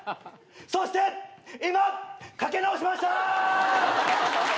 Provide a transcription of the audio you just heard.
そして今かけ直しました！